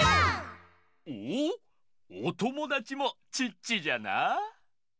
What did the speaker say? おおおともだちもチッチじゃな。